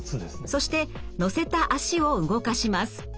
そして乗せた脚を動かします。